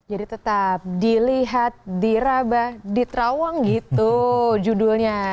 jadi tetap dilihat dirabah diterawang gitu judulnya